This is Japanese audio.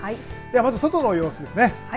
まず外の様子です。